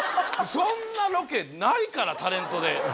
そんなロケないからタレントで。